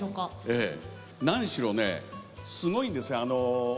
何しろ、すごいんですよ。